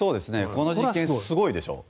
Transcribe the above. この実験すごいでしょ。